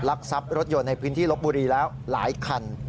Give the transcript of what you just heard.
ทรัพย์รถยนต์ในพื้นที่ลบบุรีแล้วหลายคัน